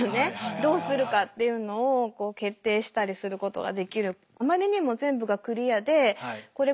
どうするかっていうのを決定したりすることができる。